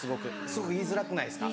すごく言いづらくないですか？